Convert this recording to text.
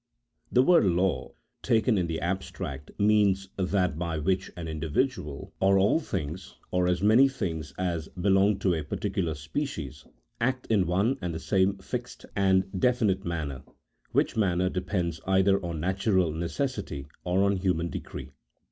THE word law, taken in the abstract, means that by which an individual, or all tilings, or as many things as belong to a particular species, act in one and the same fixed and definite manner, which manner depends either on natural necessity or on human decree.